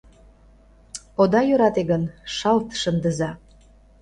Ода йӧрате гын, шалт шындыза!